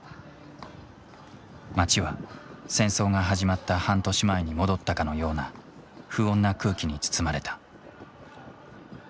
街は戦争が始まった半年前に戻ったかのような不穏な空気に包まれた。